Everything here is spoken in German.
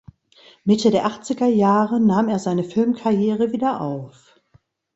Mitte der Achtzigerjahre nahm er seine Filmkarriere wieder auf.